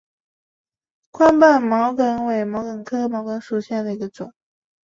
宽瓣毛茛为毛茛科毛茛属下的一个种。